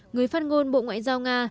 người phát ngôn bộ ngoại giao nga